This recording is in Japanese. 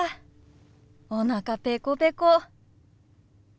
おなかペコペコ。